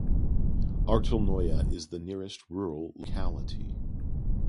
Artelnoye is the nearest rural locality.